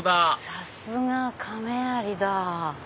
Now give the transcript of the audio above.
さすが亀有だ。